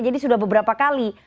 jadi sudah beberapa kali